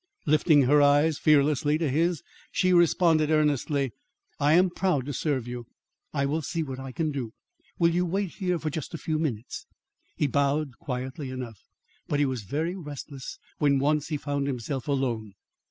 Lifting her eyes fearlessly to his, she responded earnestly: "I am proud to serve you. I will see what I can do. Will you wait here for just a few minutes?" He bowed quietly enough; but he was very restless when once he found himself alone.